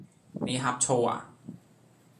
你呷醋呀?